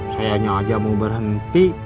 saya nyawaja mau berhenti